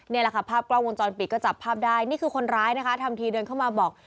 นี่แหละค่ะภาพกล้องวงจรปิดก็จับภาพได้นี่คือคนร้ายนะคะทำทีเดินเข้ามาบอก